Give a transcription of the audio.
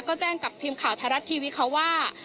ก็แจ้งกับพิมพ์ข่าวทารัสทีวีค่ะว่า